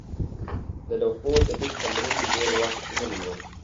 د لوحو د لیک تمرین ډېر وخت ونیوه.